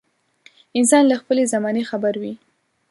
انسان له خپلې زمانې خبر وي.